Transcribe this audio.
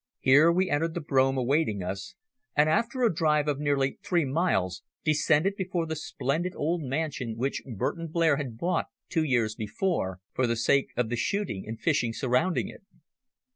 Here we entered the brougham awaiting us, and after a drive of nearly three miles, descended before the splendid old mansion which Burton Blair had bought two years before for the sake of the shooting and fishing surrounding it.